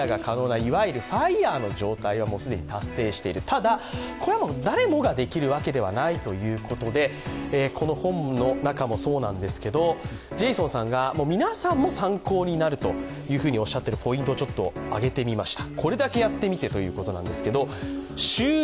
ただ、誰もができるわけではないということで、この本の中もそうなんですが、ジェイソンさんが皆さんも参考になるとおっしゃっているポイントを挙げてみました。